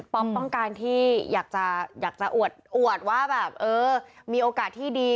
ต้องการที่อยากจะอวดว่าแบบเออมีโอกาสที่ดี